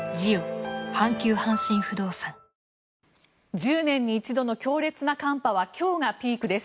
１０年に一度の強烈な寒波は今日がピークです。